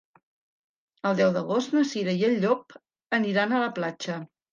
El deu d'agost na Cira i en Llop aniran a la platja.